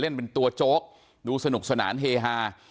เล่นเป็นตัวโจ๊กดูสนุกสนานเฮฮา